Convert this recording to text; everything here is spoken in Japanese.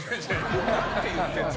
何て言ってんの？